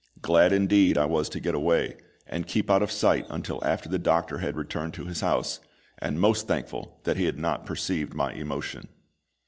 Glad indeed I was to get away, and keep out of sight until after the doctor had returned to his house, and most thankful that he had not perceived my emotion.